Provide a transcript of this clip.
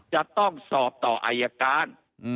จะต้องสอบต่ออายการ